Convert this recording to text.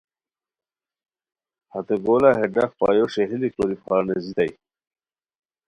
ہتے گولہ ہے ڈاق باپو ݰئیلی کوری پھار نیزیتائے